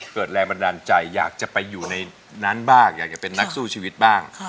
เกิดแรงบันดาลใจอยากจะไปอยู่ในนั้นบ้างอยากจะเป็นนักสู้ชีวิตบ้าง